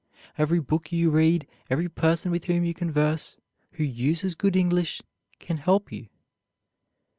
Every book you read, every person with whom you converse, who uses good English, can help you.